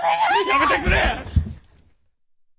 やめてくれ！